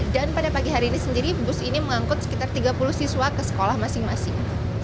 dan pada pagi hari ini sendiri bus ini mengangkut sekitar tiga puluh siswa ke sekolah masing masing